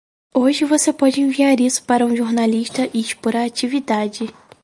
Hoje você pode enviar isso para um jornalista e expor a atividade.